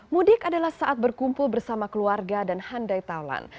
mudik adalah saat berkumpul bersama keluarga dan handai talan